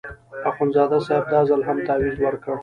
اخندزاده صاحب دا ځل هم تاویز ورکړ.